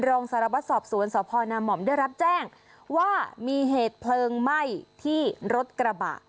รองสารวัตรสอบสวนสพนามห่อมได้รับแจ้งว่ามีเหตุเพลิงไหม้ที่รถกระบะ